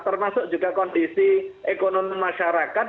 termasuk juga kondisi ekonomi masyarakat